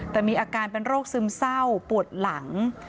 แต่มีอาการเป็นโรคซึมเศร้าปวดหลัง